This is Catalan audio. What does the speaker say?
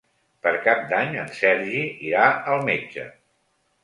Per Cap d'Any en Sergi irà al metge.